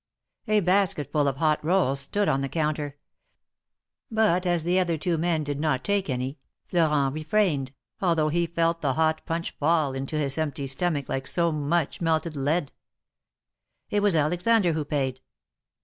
A basketful of hot rolls stood on the counter ; but as the other two men did not take any, Florent refrained, al though he felt the hot punch fall into his empty stomach like so much melted lead. It was Alexander who paid.